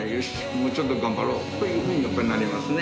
もうちょっと頑張ろうというふうにやっぱりなりますね。